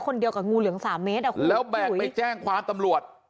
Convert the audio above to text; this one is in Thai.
คนเดียวกับงูเหลือมสามเมตรอ่ะคุณแล้วแบกไปแจ้งความตำรวจ